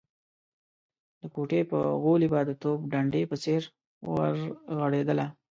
د کوټې په غولي به د توپ ډنډې په څېر ورغړېدله.